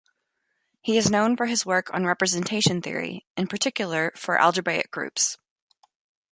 He is known for his work on representation theory, in particular for algebraic groups.